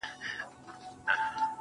ځوان پر لمانځه ولاړ دی.